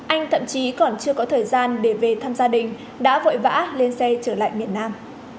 anh thậm chí còn chưa có thời gian để về thăm gia đình đã vội vã lên xe trở lại miền nam